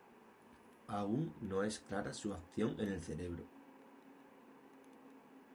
Aún no es clara su acción en el cerebro.